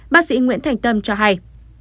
bác sĩ nguyễn thành tâm cho hay